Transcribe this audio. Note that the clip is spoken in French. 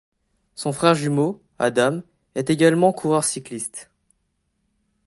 Son frère jumeau, Adam, est également coureur cycliste.